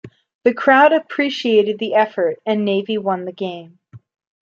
The crowd appreciated the effort, and Navy won the game.